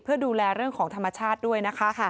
เพื่อดูแลเรื่องของธรรมชาติด้วยนะคะ